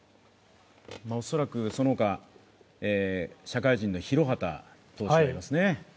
恐らくそのほか、社会人の廣畑投手がいますよね。